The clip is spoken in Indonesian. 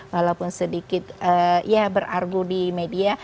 walaupun sedikit ya berargu di media